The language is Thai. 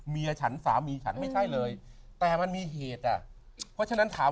เมียฉันสามีฉันไม่ใช่เลยแต่มันมีเหตุอ่ะเพราะฉะนั้นถาม